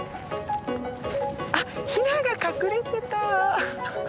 あっヒナが隠れてた！